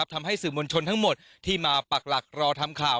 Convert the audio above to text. ทำให้สื่อมวลชนทั้งหมดที่มาปักหลักรอทำข่าว